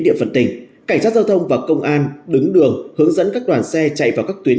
địa phận tỉnh cảnh sát giao thông và công an đứng đường hướng dẫn các đoàn xe chạy vào các tuyến